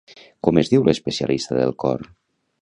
Com es diu l'especialista del cor?